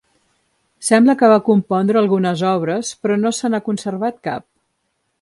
Sembla que va compondre algunes obres però no se n'ha conservat cap.